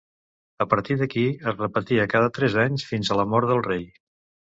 A partir d'aquí, es repetia cada tres anys fins a la mort del rei.